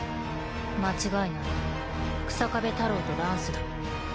間違いない日下部太朗とランスだ。